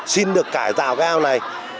xin được cải tạo cái ao này